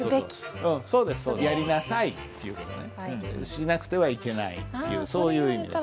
しなくてはいけないっていうそういう意味です。